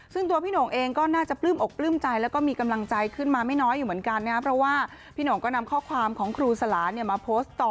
ซึ่งตัวพี่หน่งเองก็น่าจะปลื้มอกปลื้มใจแล้วก็มีกำลังใจขึ้นมาไม่น้อยอยู่เหมือนกันนะครับเพราะว่าพี่หน่งก็นำข้อความของครูสลาเนี่ยมาโพสต์ต่อ